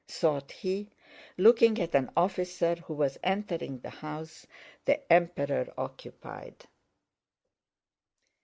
thought he, looking at an officer who was entering the house the Emperor occupied.